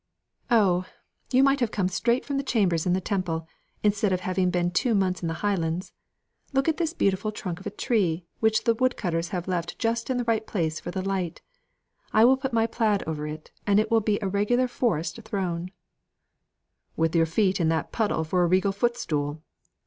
"Oh! You might have come straight from chambers in the Temple, instead of having been two months in the Highlands! Look at this beautiful trunk of a tree, which the woodcutters have left just in the right place for the light. I will put my plaid over it, and it will be a regular forest throne." "With your feet in that puddle for a regal footstool!